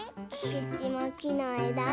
くちもきのえだで。